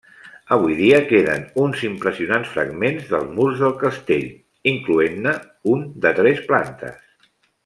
Avui dia queden uns impressionants fragments dels murs del castell, incloent-ne un de tres plantes.